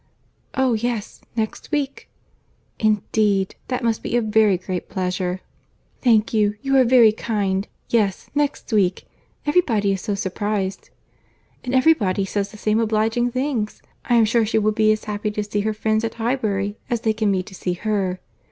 "Oh yes; next week." "Indeed!—that must be a very great pleasure." "Thank you. You are very kind. Yes, next week. Every body is so surprized; and every body says the same obliging things. I am sure she will be as happy to see her friends at Highbury, as they can be to see her.